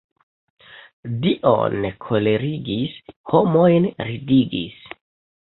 Dion kolerigis, homojn ridigis.